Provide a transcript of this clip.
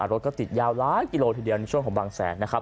รถก็ติดยาวหลายกิโลทีเดียวในช่วงของบางแสนนะครับ